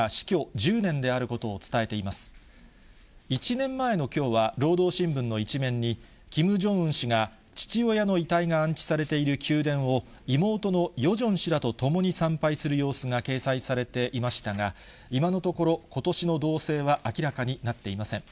１年前のきょうは労働新聞の一面に、キム・ジョンウン氏が父親の遺体が安置されている宮殿を妹のヨジョン氏らと共に参拝する様子が掲載されていましたが、今のところ、ことしの動静は明らかになっていません。